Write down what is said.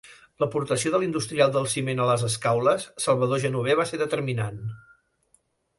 L'aportació de l'industrial del ciment a les Escaules, Salvador Genover va ser determinant.